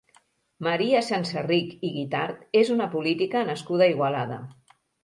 Maria Senserrich i Guitart és una política nascuda a Igualada.